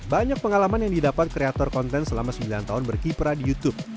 banyak pengalaman yang didapat kreator konten selama sembilan tahun berkiprah di youtube